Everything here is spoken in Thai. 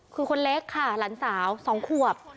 คือคนเล็กค่ะหลานสาว๒ขวบ